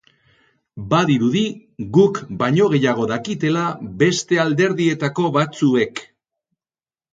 Badirudi guk baino gehiago dakitela beste alderdietako batzuk.